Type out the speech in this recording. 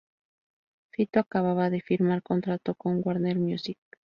Fito acababa de firmar contrato con Warner Music.